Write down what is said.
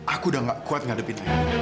aku udah gak kuat ngadepin